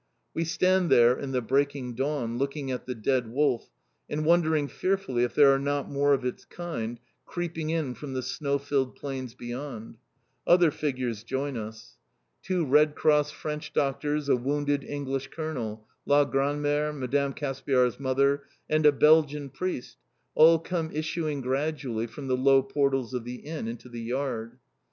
We stand there in the breaking dawn, looking at the dead wolf, and wondering fearfully if there are not more of its kind, creeping in from the snow filled plains beyond. Other figures join us. Two Red Cross French doctors, a wounded English Colonel, la grandmère, Mme. Caspiar's mother, and a Belgian priest, all come issuing gradually from the low portals of the Inn into the yard.